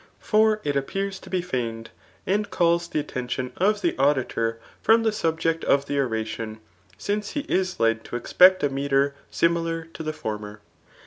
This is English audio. For it appears to be feigned, and calls the atten tion of the auditor from the subject of die oradon ; since *he is led to e&pect a metre sknilar to the former.